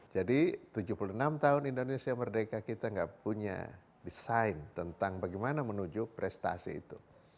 jadi tujuh puluh enam tahun indonesia merdeka kita gak punya design tentang bagaimana menuju prestasi itu